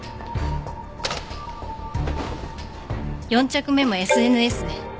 ４着目もＳＮＳで。